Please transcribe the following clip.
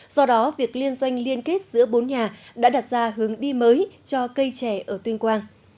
do đó việc liên doanh liên kết giữa bốn nhà đã đặt ra hướng đi mới cho cây trẻ ở tuyên quang